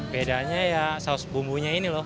bedanya ya saus bumbunya ini loh